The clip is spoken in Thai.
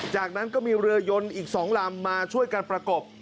จากนั้นก็มีเรือยนอีก๒ลำมาช่วยกันประกบ